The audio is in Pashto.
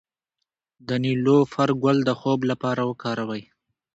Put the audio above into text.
د نیلوفر ګل د خوب لپاره وکاروئ